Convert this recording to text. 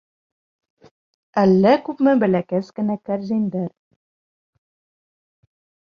Әллә күпме бәләкәс кенә кәрзиндәр.